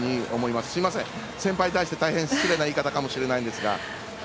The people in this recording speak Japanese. すいません、先輩に対して大変失礼な言い方かもしれないんですが。